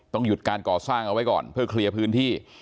หยุดการก่อสร้างเอาไว้ก่อนเพื่อเคลียร์พื้นที่